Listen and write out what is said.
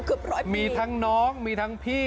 เกือบร้อยปีมีทั้งน้องมีทั้งพี่